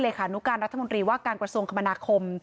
ขานุการรัฐมนตรีว่าการกระทรวงคมนาคม